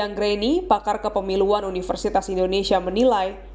yang greni pakar kepemiluan universitas indonesia menilai